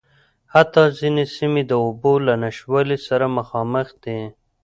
حتٰی ځينې سیمې د اوبو له نشتوالي سره مخامخ دي.